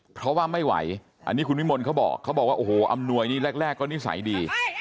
เพราะว่าไม่ไหวอันนี้คุณมิมนต์เขาบอกอันหน่วยนี่แรกก็นิสัยดี